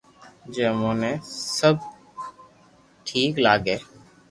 جي اموني سب ٺيڪ لاگي